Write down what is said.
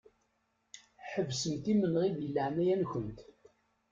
Ḥebsemt imenɣi di leɛnaya-nkent.